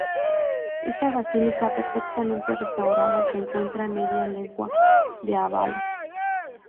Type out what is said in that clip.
Esta basílica, perfectamente restaurada, se encuentra a media legua de Ábalos.